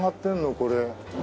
これ。